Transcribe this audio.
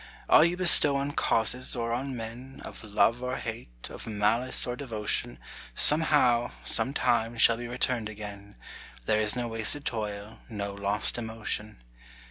All you bestow on causes or on men, Of love or hate, of malice or devotion, Somehow, sometime, shall be returned again There is no wasted toil, no lost emotion.